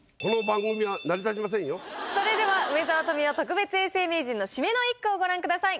それでは梅沢富美男特別永世名人の締めの一句をご覧ください。